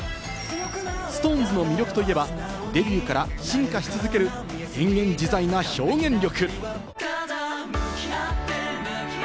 ＳｉｘＴＯＮＥＳの魅力といえば、デビューから進化し続ける変幻自在な表現力。